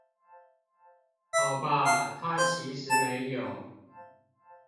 好吧他其實沒有